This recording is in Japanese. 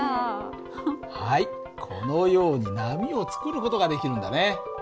はいこのように波を作る事ができるんだね。